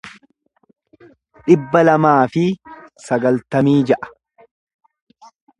dhibba lamaa fi sagaltamii ja'a